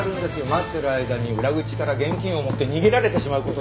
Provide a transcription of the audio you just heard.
待ってる間に裏口から現金を持って逃げられてしまう事が。